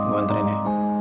gue anterin ya